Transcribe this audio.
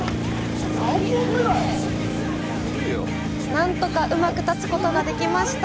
なんとかうまく立つことができました。